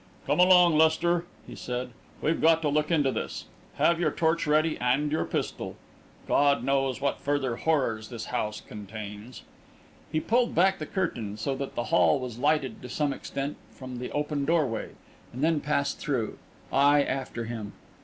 "Come along, Lester," he said. "We've got to look into this. Have your torch ready and your pistol. God knows what further horrors this house contains!" He pulled back the curtain, so that the hall was lighted to some extent from the open doorway, and then passed through, I after him.